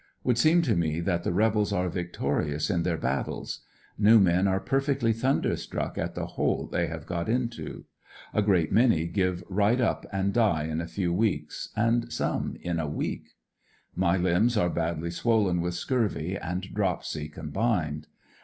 Would seem to me that the rebels are victorious in their battles. New men are perfectly thunderstruck at the hole they have got into. A great many give right up and die in a f e w weeks, and some in a week. My limbs are badly swollen with scurvy and dropsy combined.